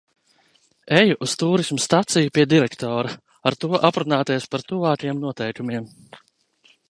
Eju uz tūrisma staciju pie direktora – ar to aprunāties par tuvākiem noteikumiem.